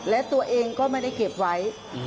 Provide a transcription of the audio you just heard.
และตัวเองก็ไม่ได้เก็บไว้